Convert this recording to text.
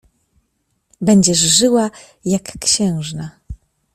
"Będziesz żyła, jak księżna“."